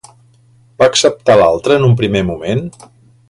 Va acceptar l'altre en un primer moment?